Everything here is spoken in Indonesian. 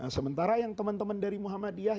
sementara yang teman teman dari muhammadiyah